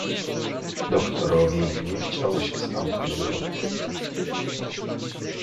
"Doktorowi nie chciało się stamtąd wychodzić."